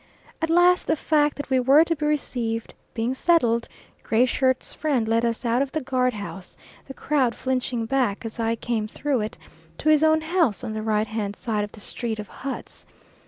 At last the fact that we were to be received being settled, Gray Shirt's friend led us out of the guard house the crowd flinching back as I came through it to his own house on the right hand side of the street of huts.